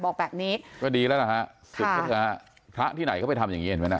ก็ดีแล้วนะคะภาพที่ไหนเขาก็ไปทำอย่างเงียดไหมเนี้ย